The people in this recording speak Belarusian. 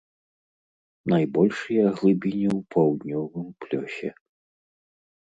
Найбольшыя глыбіні ў паўднёвым плёсе.